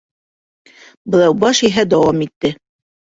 Быҙаубаш иһә дауам итте: